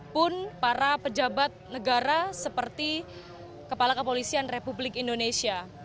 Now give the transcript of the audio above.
pun para pejabat negara seperti kepala kepolisian republik indonesia